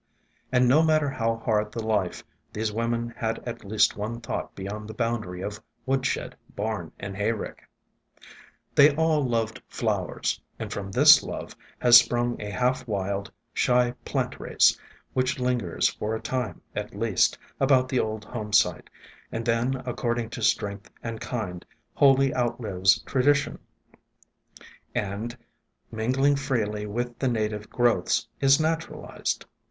And no matter how hard the life, these women had at least one thought beyond the boundary of woodshed, barn, and hayrick. They all loved flowers, and from this love has sprung a half wild, shy plant race, which lingers for a time, at least, about the old home site, and then, according to strength and kind, wholly outlives tra dition, and, mingling freely with the native growths, is naturalized.